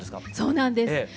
そうなんです。